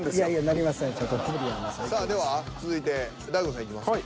さあでは続いて大悟さんいきますか。